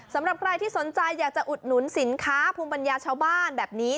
สำหรับใครที่สนใจอยากจะอุดหนุนสินค้าภูมิปัญญาชาวบ้านแบบนี้